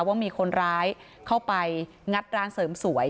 ว่ามีคนร้ายเข้าไปงัดร้านเสริมสวย